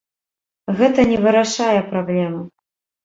Гэта не вырашае праблемы.